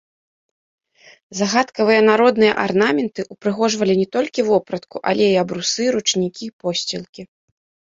Загадкавыя народныя арнаменты ўпрыгожвалі не толькі вопратку, але і абрусы, ручнікі, посцілкі.